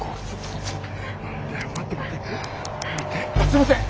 すいません！